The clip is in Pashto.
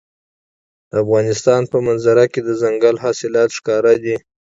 د افغانستان په منظره کې دځنګل حاصلات ښکاره دي.